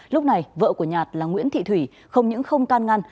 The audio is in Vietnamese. lúc này vợ của nhạt là nguyễn thị thủy không những không tan ngăn